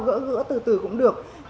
gỡ gỡ từ từ cũng được